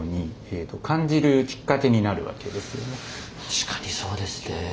確かにそうですね。